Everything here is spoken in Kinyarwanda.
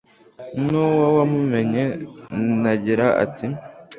nuwo wamumenye nagella ati